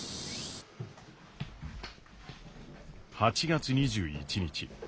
８月２１日